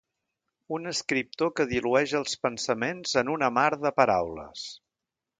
Un escriptor que dilueix els pensaments en una mar de paraules.